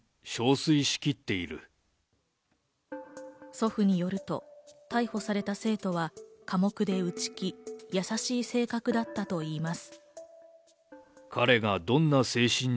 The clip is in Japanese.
祖父によると、逮捕された生徒は寡黙で内気、優しい性格だったといいます。